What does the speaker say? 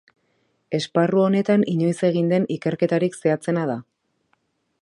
Esparru honetan inoiz egin den ikerketarik zehatzena da.